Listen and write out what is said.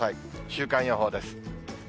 週間予報です。